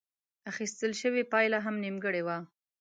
اخيستل شوې پايله هم نيمګړې وه.